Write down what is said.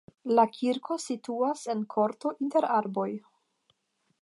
La kirko situas en korto inter arboj.